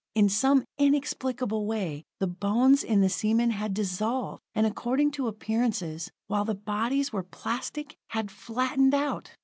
In some inexplicable way the bones in the seamen had dissolved, and according to appearances, while the bodies were plastic, had flattened out.